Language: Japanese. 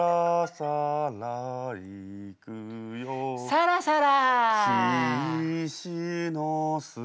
さらさら！